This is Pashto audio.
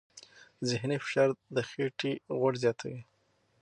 ذهني فشار د خېټې غوړ زیاتوي.